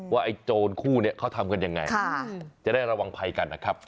ไอ้โจรคู่นี้เขาทำกันยังไงจะได้ระวังภัยกันนะครับ